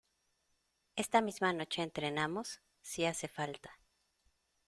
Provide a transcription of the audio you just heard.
esta misma noche entrenamos, si hace falta.